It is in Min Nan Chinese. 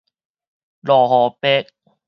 落雨白